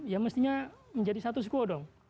ya mestinya menjadi satu skuodong